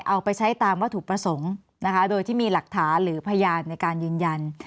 เอาไปใช้ตามวัตถุประสงค์นะคะโดยที่มีหลักฐานหรือพยานในการยืนยัน